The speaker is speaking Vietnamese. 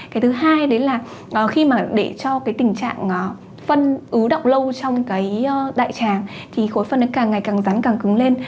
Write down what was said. cái thứ hai đấy là khi mà để cho cái tình trạng phân ứ động lâu trong cái đại tràng thì khối phân ấy càng ngày càng rắn càng cứng lên